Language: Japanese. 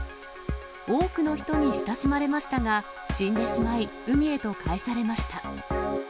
多くの人に親しまれましたが、死んでしまい、海へと帰されました。